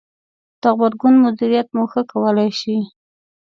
-د غبرګون مدیریت مو ښه کولای ش ئ